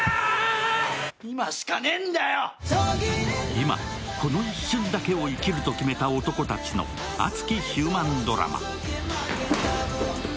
今この一瞬だけを生きると決めた男たちの熱きヒューマンドラマ。